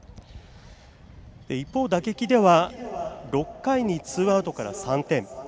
一方、打撃では６回にツーアウトから３点。